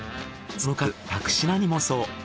その数１００品にもなるそう。